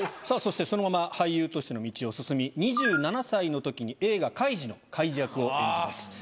さぁそしてそのまま俳優としての道を進み２７歳のときに映画『カイジ』のカイジ役を演じます。